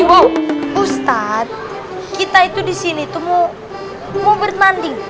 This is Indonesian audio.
ibu ustadz kita itu disini tuh mau bertanding